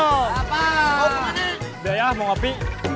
udah ya mau ngapi